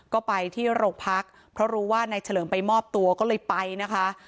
ก็ไปที่โรงพักเพราะรู้ว่านายเฉลิมไปมอบตัวก็เลยไปนะคะ